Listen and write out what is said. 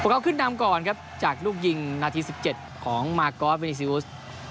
เขาขึ้นดำก่อนครับจากลูกยิงนาทีสิบเจ็ดของมาร์กอล์ดเวนิซิวส์